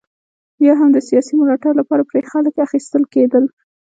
یا هم د سیاسي ملاتړ لپاره پرې خلک اخیستل کېدل.